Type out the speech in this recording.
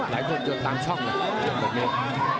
หลายคนโยกตามช่องเลยโยกต่อเมฆ